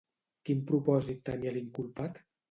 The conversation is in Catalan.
Quin propòsit tenia l'inculpat?